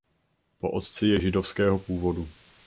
Po otci je židovského původu.